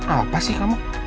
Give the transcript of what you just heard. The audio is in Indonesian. apa sih kamu